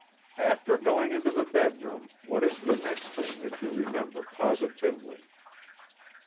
"After going into the bedroom, what is the next thing that you remember positively?"